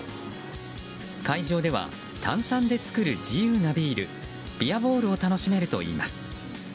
会場では炭酸で作る自由なビールビアボールを楽しめるといいます。